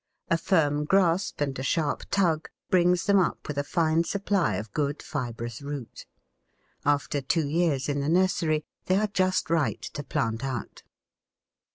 A firm grasp and a sharp tug brings them up with a fine supply of good fibrous root. After two years in the nursery they are just right to plant out.